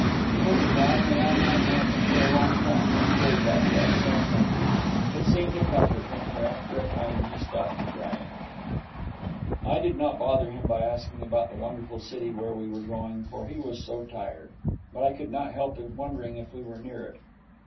He put his arm round my neck, and for a long time we stayed like that, saying nothing. It seemed to comfort him, for after a time he stopped crying. I did not bother him by asking about the wonderful city where we were going, for he was so tired. But I could not help wondering if we were near it.